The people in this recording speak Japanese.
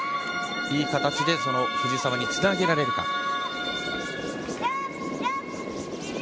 いい形で藤澤につなげられるか。